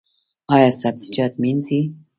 ایا سبزیجات مینځئ؟